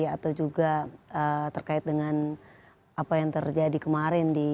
atau juga terkait dengan apa yang terjadi kemarin di